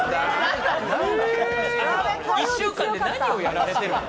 １週間で何をやられてるの？